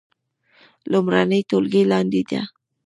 لومړۍ ټولګی لاندې ده